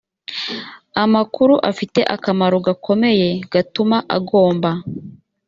amakuru afite akamaro gakomeye gatuma agomba